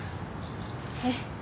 えっ？